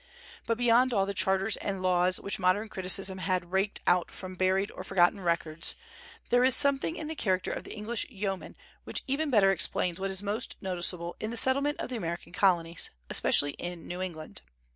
But beyond all the charters and laws which modern criticism had raked out from buried or forgotten records, there is something in the character of the English yeoman which even better explains what is most noticeable in the settlement of the American Colonies, especially in New England.